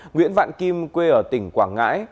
nguyễn vạn kim quê ở tỉnh quảng ngãi